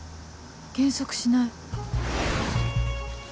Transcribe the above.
減速しない